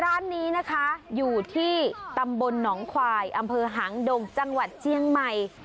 ร้านนี้นะคะอยู่ที่ตำบลหนองควายอำเภอหางดงจังหวัดเจียงใหม่